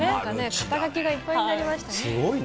肩書がいっぱいになりましたすごいね。